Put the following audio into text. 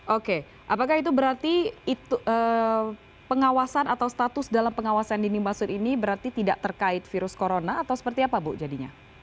oke apakah itu berarti pengawasan atau status dalam pengawasan dini maksud ini berarti tidak terkait virus corona atau seperti apa bu jadinya